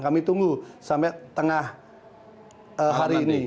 kami tunggu sampai tengah hari ini